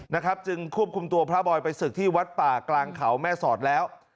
นะครับจึงควบคุมตัวพระบอยไปศึกที่วัดป่ากลางเขาแม่สอดแล้ว